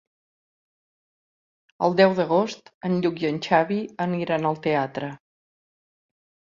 El deu d'agost en Lluc i en Xavi aniran al teatre.